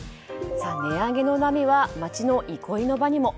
値上げの波は街の憩いの場にも。